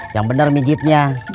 yang bener mijitnya